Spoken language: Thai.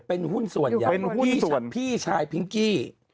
เป็นหุ้นส่วนอย่างพี่ชายพิ้งกี้